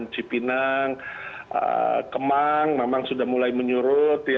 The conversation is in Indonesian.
joglo jepinang kemang memang sudah mulai menyurut